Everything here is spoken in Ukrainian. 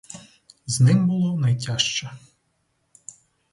З ним було найтяжче.